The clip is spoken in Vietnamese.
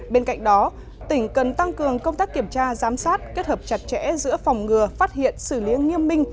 bên cạnh đó tỉnh cần tăng cường công tác kiểm tra giám sát kết hợp chặt chẽ giữa phòng ngừa phát hiện xử lý nghiêm minh